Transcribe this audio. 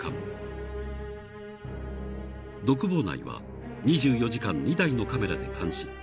［独房内は２４時間２台のカメラで監視］